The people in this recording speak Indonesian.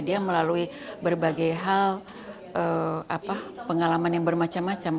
dia melalui berbagai hal pengalaman yang bermacam macam